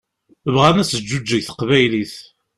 Bɣan ad teǧǧuǧeg teqbaylit.